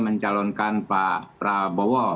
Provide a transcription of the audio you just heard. mencalonkan pak prabowo